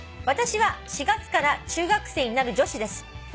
「私は４月から中学生になる女子です」